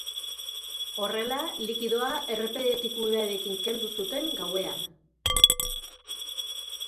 Horrela, likidoa errepidetik urarekin kendu zuten gauean.